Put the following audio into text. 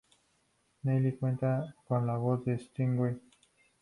Neil cuenta con la voz de Seth Green.